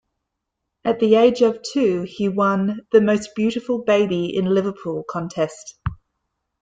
At the age of two he won 'The Most Beautiful Baby in Liverpool' contest.